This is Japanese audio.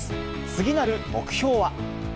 次なる目標は。